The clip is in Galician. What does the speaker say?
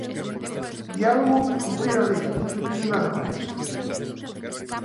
Diálogo e cumprir a lei, non se pide nada máis.